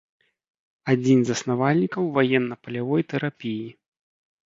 Адзін з заснавальнікаў ваенна-палявой тэрапіі.